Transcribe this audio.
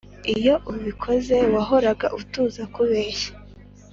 iyo ubikoze, wahoraga utuza kubeshya.